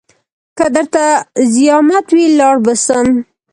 که درته زيامت وي لاړ به سم.